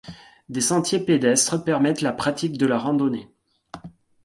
Des sentiers pédestres permettent la pratique de la randonnée.